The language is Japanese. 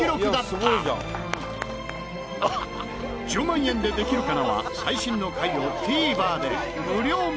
『１０万円でできるかな』は最新の回をＴＶｅｒで無料見逃し配信。